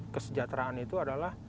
kesejahteraan itu adalah